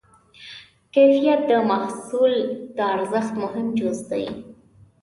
کیفیت د محصول د ارزښت مهم جز دی.